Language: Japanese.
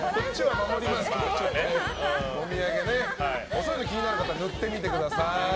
細いの気になる方は塗ってみてください。